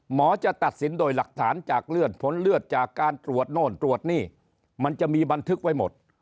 หมอจะตัดสินโดยหลักฐานจากเลื่อนผลเลือดจากการตรวจโน่นตรวจนี่มันจะมีบันทึกไว้หมด